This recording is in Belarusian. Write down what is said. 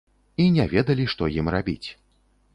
І не ведалі, што ім рабіць.